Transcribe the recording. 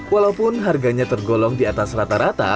walaupun harganya tergolong di atas rata rata